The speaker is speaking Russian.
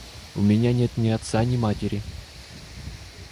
– У меня нет ни отца, ни матери.